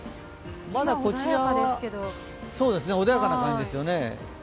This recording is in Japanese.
まだこちらは穏やかな感じですよね。